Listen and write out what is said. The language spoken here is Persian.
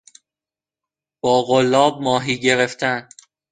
با قلاب ماهی گرفتن